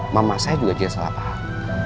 mama saya juga dia salah paham